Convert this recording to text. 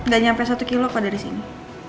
gak sampai satu kilo kok dari sini